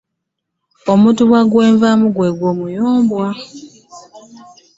Omutuba gwe nvaamu gwe gwa Muyomba.